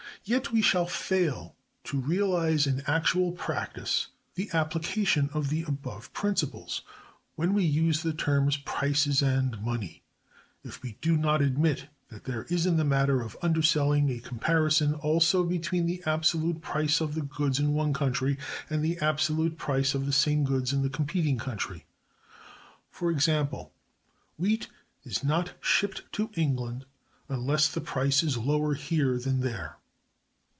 Yet we shall fail to realize in actual practice the application of the above principles, when we use the terms prices and money, if we do not admit that there is in the matter of underselling a comparison, also, between the absolute price of the goods in one country and the absolute price of the same goods in the competing country. For example, wheat is not shipped to England unless the price is lower here than there.